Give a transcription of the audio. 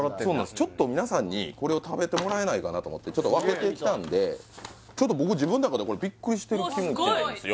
ちょっと皆さんにこれを食べてもらえないかなと思ってすげえちょっと分けてきたんでちょっと僕自分の中でこれビックリしてるキムチなんですよ